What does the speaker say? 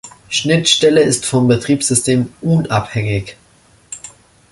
Schnittstelle ist vom Betriebssystem unabhängig.